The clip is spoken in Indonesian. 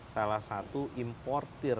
salah satu importer